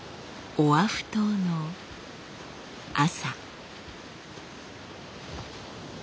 オアフ島の朝。